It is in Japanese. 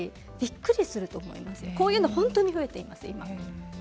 びっくりしますよこういうのが本当に増えています。